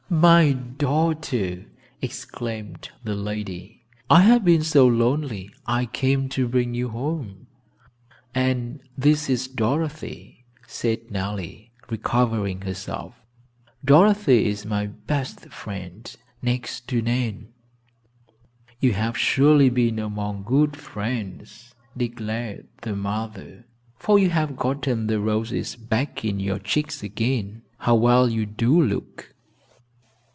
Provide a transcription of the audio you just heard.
"My daughter!" exclaimed the lady, "I have been so lonely I came to bring you home." "And this is Dorothy," said Nellie, recovering herself. "Dorothy is my best friend, next to Nan." "You have surely been among good friends," declared the mother, "for you have gotten the roses back in your cheeks again. How well you do look!"